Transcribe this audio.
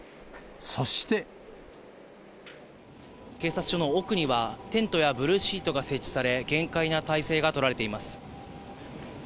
警察署の奥には、テントやブルーシートが設置され、厳戒な態勢が取られています。